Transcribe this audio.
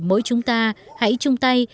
mỗi chúng ta hãy chung tay